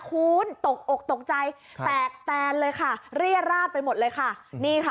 ค้นตกอกตกใจแตกแตนเลยค่ะเรียดราดไปหมดเลยค่ะนี่ค่ะ